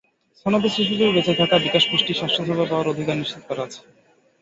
সনদে শিশুদের বেঁচে থাকা, বিকাশ, পুষ্টি, স্বাস্থ্যসেবা পাওয়ার অধিকার নিশ্চিত করা আছে।